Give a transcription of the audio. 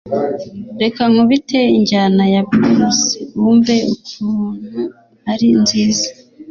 Reka nkubite injyana ya blues wumve ukuntru ari nziza